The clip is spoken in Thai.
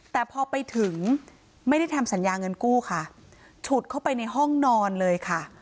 แต่พอไปถึงไม่ได้ทำสัญญาเงินกู้ค่ะฉุดเข้าไปในห้องนอนเลยค่ะ